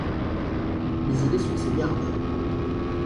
Mais il est sur ses gardes.